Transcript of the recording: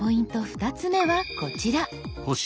２つ目はこちら。